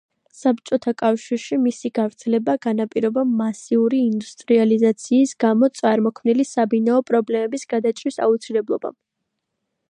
საბჭოთა კავშირში მისი გავრცელება განაპირობა მასიური ინდუსტრიალიზაციის გამო წარმოქმნილი საბინაო პრობლემის გადაჭრის აუცილებლობამ.